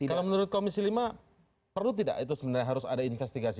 kalau menurut komisi lima perlu tidak itu sebenarnya harus ada investigasi